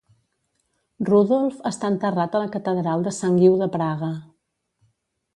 Rudolph està enterrat a la catedral de sant Guiu de Praga.